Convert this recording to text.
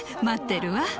待ってるわ。